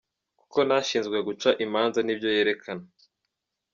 Kuko ntashinzwe guca imanza nibyo yerekana.